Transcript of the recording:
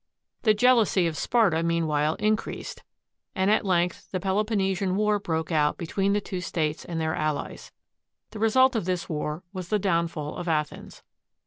The jealousy of Sparta meanwhile increased, and at length the Peloponnesian War broke out between the two States and their allies. The result of this war was the downfall of Athens.